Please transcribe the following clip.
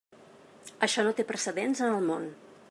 Això no té precedents en el món.